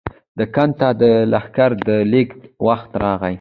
دکن ته د لښکر د لېږد وخت راغی.